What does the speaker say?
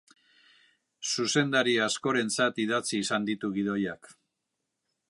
Zuzendari askorentzat idatzi izan ditu gidoiak.